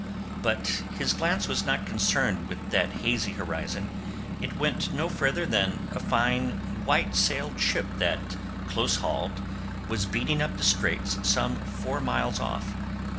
But his glance was not concerned with that hazy horizon; it went no further than a fine white sailed ship that, close hauled, was beating up the straits some four miles off.